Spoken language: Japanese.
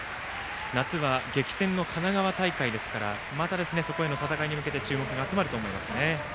夏は激戦の神奈川大会ですからまたそこへの戦いに向けて注目が集まりますね。